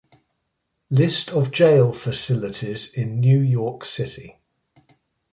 List of jail facilities in New York City